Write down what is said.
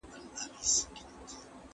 د ژبې لپاره وخت ورکړئ.